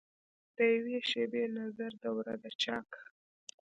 دیوي شیبي نظر دوره دچاکه